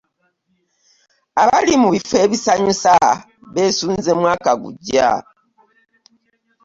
Abali mu biffo ebisanyusa beesunze mwaka gugya.